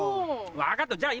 分かったじゃあ